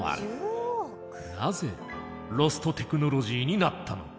なぜロストテクノロジーになったのか。